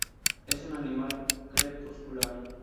Es un animal crepuscular.